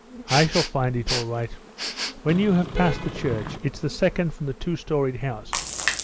"I shall find it all right." "When you have passed the church it's the second from the two storied house.